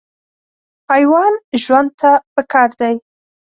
حیوان ژوند ته پکار دی.